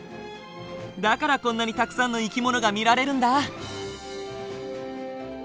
だからこんなにたくさんの生き物が見られるんだ。